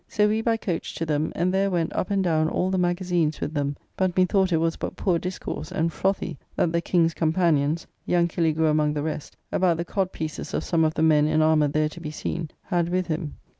So we by coach to them, and there went up and down all the magazines with them; but methought it was but poor discourse and frothy that the King's companions (young Killigrew among the rest) about the codpieces of some of the men in armour there to be seen, had with him.